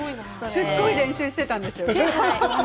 すごい練習していたんですよ。